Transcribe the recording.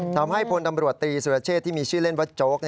ทำให้พลตำรวจตีสุรเชษที่มีชื่อเล่นว่าโจ๊ก